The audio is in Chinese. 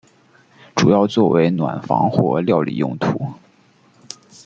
主要作为暖房或料理用途。